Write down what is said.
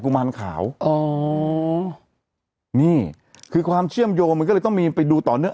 ุมารขาวอ๋อนี่คือความเชื่อมโยงมันก็เลยต้องมีไปดูต่อเนื่อง